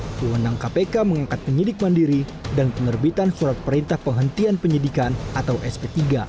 kewenangan kpk mengangkat penyidik mandiri dan penerbitan surat perintah penghentian penyidikan atau sp tiga